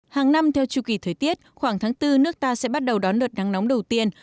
hàng năm theo chu kỳ thời tiết khoảng tháng bốn nước ta sẽ bắt đầu đón đợt nắng nóng đầu tiên